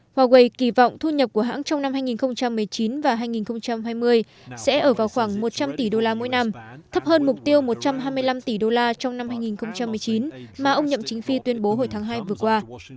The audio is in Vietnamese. huawei kỳ vọng thu nhập của hãng trong năm hai nghìn một mươi chín và hai nghìn hai mươi sẽ ở vào khoảng một trăm linh tỷ đô la mỗi năm thấp hơn mục tiêu một trăm hai mươi năm tỷ đô la trong năm hai nghìn một mươi chín mà ông nhậm chính phi tuyên bố hồi tháng hai vừa qua